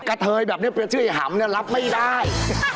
กระเทยแบบนี้เป็นชื่อไอ้หำเนี่ยรับไม่ได้